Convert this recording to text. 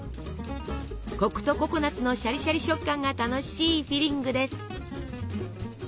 コクとココナツのシャリシャリ食感が楽しいフィリングです。